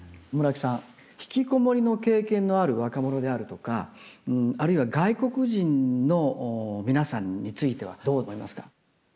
村木さん引きこもりの経験のある若者であるとかあるいは外国人の皆さんについてはどう思いますか？